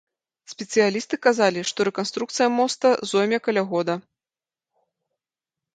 Спецыялісты казалі, што рэканструкцыя моста зойме каля года.